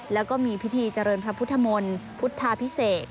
แล้วก็มีพิธีเจริญพระพุทธมนต์พุทธาพิเศษ